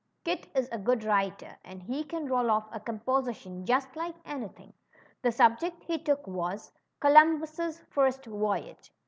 Kit is a good writer, and he can roll off a composi tion just like anything. The subject he took was Co lumbus' First Voyage."